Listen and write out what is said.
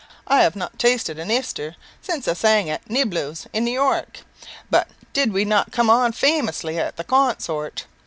I have not tasted an i'ster since I sang at Niblo's in New York. But did we not come on famously at the _con sort?